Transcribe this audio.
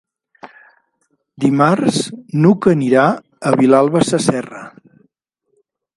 Dimarts n'Hug anirà a Vilalba Sasserra.